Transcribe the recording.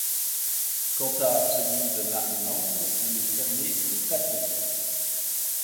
Quant à celui de Marineland, il est fermé toute la saison.